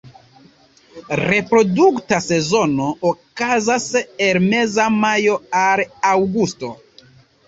Reprodukta sezono okazas el meza majo al aŭgusto.